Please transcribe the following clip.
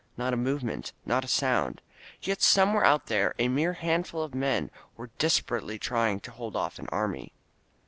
Not a movement. Not a sound. Yet somewhere out there a mere handful of men were des perately trying to hold off an army.